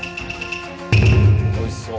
おいしそう。